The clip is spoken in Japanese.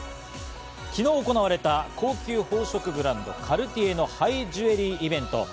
昨日行われた高級宝飾ブランド、カルティエのハイジュエリーイベント。